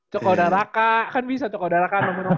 coko daraka kan bisa coko daraka nomor empat